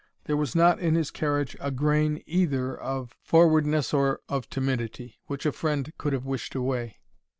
There was not in his carriage a grain either of forwardness or of timidity, which a friend could have wished away.